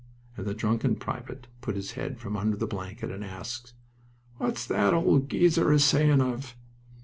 And the drunken private put his head from under the blanket and asked, "What's the old geezer a sayin' of?"